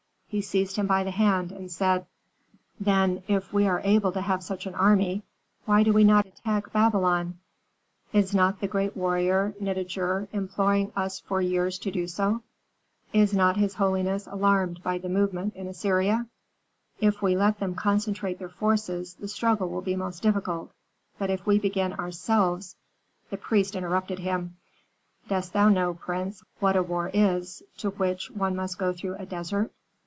He seized him by the hand, and said, "Then, if we are able to have such an army, why do we not attack Babylon? Is not the great warrior Nitager imploring us for years to do so? Is not his holiness alarmed by the movement in Assyria? If we let them concentrate their forces, the struggle will be most difficult; but if we begin ourselves " The priest interrupted him, "Dost thou know, prince, what a war is to which one must go through a desert?